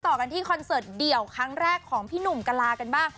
ต่อกันที่คอนเสิร์ตเดี่ยวครั้งแรกของพี่หนุ่มกะลากันบ้าง